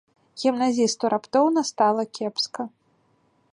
Гімназісту раптоўна стала кепска.